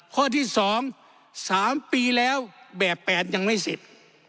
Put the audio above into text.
ข้อที่๒๓ปีแล้วแบบ๘ยังไม่เสร็จ